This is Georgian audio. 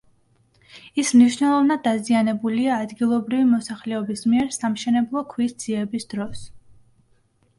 ის მნიშვნელოვნად დაზიანებულია ადგილობრივი მოსახლების მიერ სამშენებლო ქვის ძიების დროს.